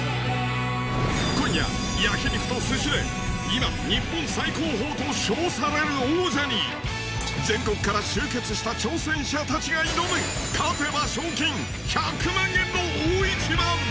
今夜焼肉と鮨で今日本最高峰と称される王者に全国から集結した挑戦者たちが挑む勝てば賞金１００万円の大一番！